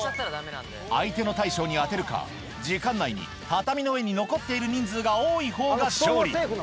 相手の大将に当てるか、時間内に畳の上に残っている人数が多いほうが勝利。